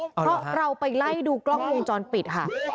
เพราะเราไปไล่ดูกล้องวงจรปิดค่ะ